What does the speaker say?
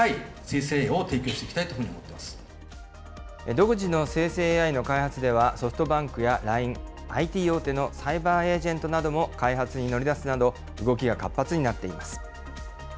独自の生成ＡＩの開発では、ソフトバンクやＬＩＮＥ、ＩＴ大手のサイバーエージェントなども開発に乗り出すなど、動きが活発になっています。